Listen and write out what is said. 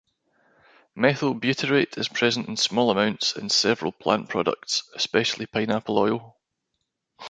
Methyl butyrate is present in small amounts in several plant products, especially pineapple oil.